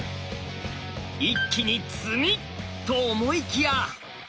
一気に詰み！と思いきや。